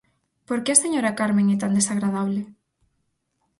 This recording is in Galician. Por que a señora Carmen é tan desagradable?